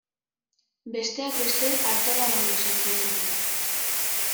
Besteak beste arte-lan hauek sortu izan dira.